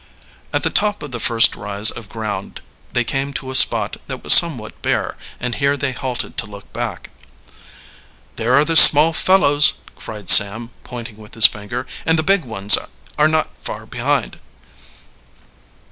At the top of the first rise of ground they came to a spot that was somewhat bare, and here they halted to look back. "There are the small fellows!" cried Sam, pointing with his finger. "And the big ones are not far behind."